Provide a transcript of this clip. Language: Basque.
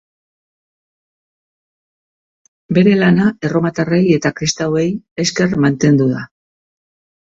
Bere lana, erromatarrei eta kristauei esker mantendu da.